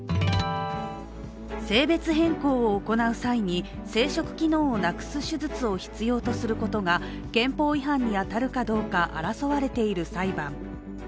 性別変更を行う際に生殖機能をなくす手術を必要とすることが憲法違反に当たるかどうか争われている裁判。